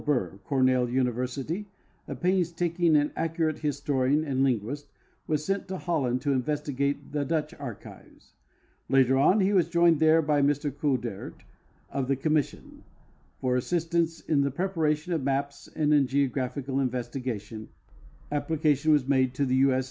Burr, of Cornell University, a painstaking and accurate historian and linguist, was sent to Holland to investigate the Dutch archives. Later on he was joined there by Mr Coudert, of the commission. For assistance in the preparation of maps and in geographical in vestigation, application was made to the U. S.